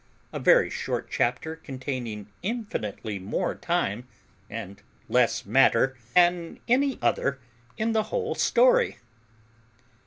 A VERY SHORT CHAPTER, CONTAINING INFINITELY MORE TIME AND LESS MATTER THAN ANY OTHER IN THE WHOLE STORY.